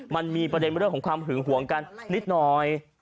มันมีประเด็นเรื่องของความหึงห่วงกันนิดหน่อย